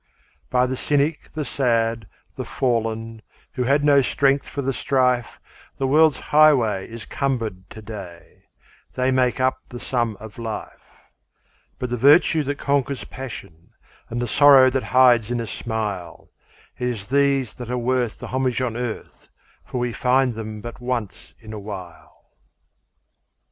By the cynic, the sad, the fallen, Who had no strength for the strife, The world's highway is cumbered to day They make up the sum of life; But the virtue that conquers passion, And the sorrow that hides in a smile It is these that are worth the homage on earth, For we find them but once in a while.